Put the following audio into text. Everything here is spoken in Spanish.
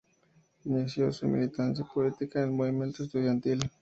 Inició su militancia política en el movimiento estudiantil.